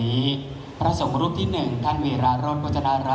ถือว่าชีวิตที่ผ่านมายังมีความเสียหายแก่ตนและผู้อื่น